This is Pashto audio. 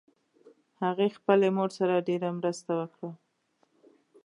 هغې خپلې مور سره ډېر مرسته وکړه